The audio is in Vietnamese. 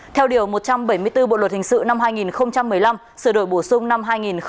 theo điều một trăm bảy mươi bốn bộ luật hình sự năm hai nghìn một mươi năm sửa đổi bổ sung năm hai nghìn một mươi bảy